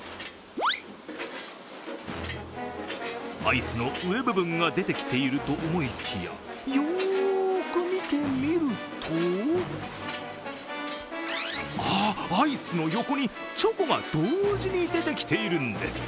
アイスの上部分が出てきているかと思いきや、よーく見てみるとあっ、アイスの横にチョコが同時に出てきているんです。